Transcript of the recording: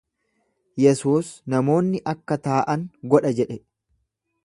Yesuus, Namoonni akka taa’an godha jedhe.